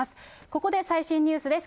ここで最新ニュースです。